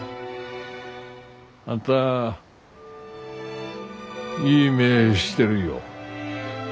あんたいい目してるよ。